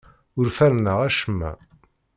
Ur ferrneɣ acemma.